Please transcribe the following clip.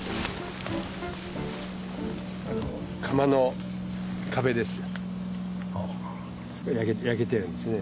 窯の壁ですよ